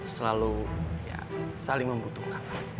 selalu ya saling membutuhkan